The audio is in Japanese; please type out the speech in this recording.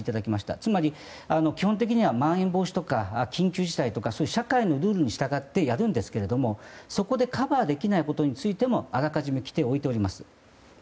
つまり、基本的にはまん延防止とか緊急事態とか社会のルールに従ってやるんですけどそこでカバーできないことについてもあらかじめ規定を置いております。